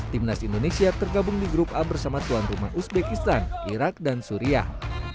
timnas indonesia tergabung di grup a bersama tuan rumah uzbekistan irak dan suriah